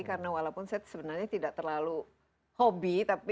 karena walaupun saya sebenarnya tidak terlalu hobi tapi